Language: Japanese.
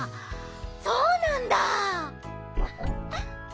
そうなんだ！